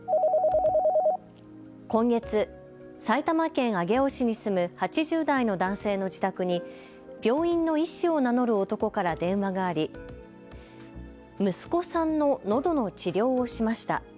今月、埼玉県上尾市に住む８０代の男性の自宅に病院の医師を名乗る男から電話があり、息子さんののどの治療をしました。